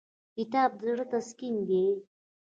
کتاب د زړه تسکین دی.